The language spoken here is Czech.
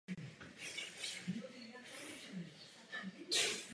Přednášela vysokoškolským studentům.